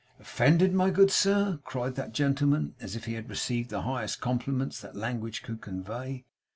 'Offended, my good sir!' cried that gentleman, as if he had received the highest compliments that language could convey.